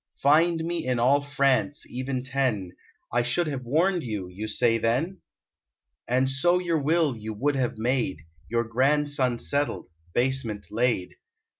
Find me in all France even ten; I should have warned you, you say then? And so your will you would have made, Your grandson settled; basement laid.